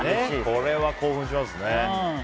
これは興奮しますね。